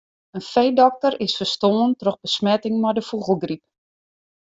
In feedokter is ferstoarn troch besmetting mei de fûgelgryp.